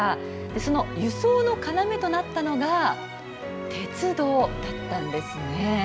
その輸送の要となったのが鉄道だったんですね。